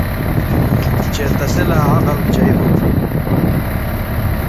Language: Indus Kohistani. چے تسی لا عقل چئ ہو۔